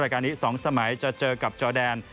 การนี้๒สมัยจะเจอกับจอแดน